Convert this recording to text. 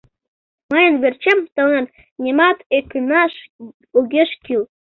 Мыйын верчем тыланет нимат ӧкынаш огеш кӱл.